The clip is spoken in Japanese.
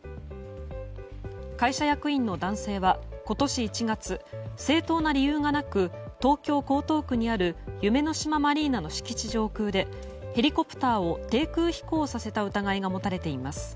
会社役員の男性は今年１月正当な理由がなく東京・江東区にある夢の島マリーナの敷地上空でヘリコプターを低空飛行させた疑いが持たれています。